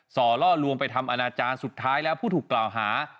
่อล่อลวงไปทำอนาจารย์สุดท้ายแล้วผู้ถูกกล่าวหา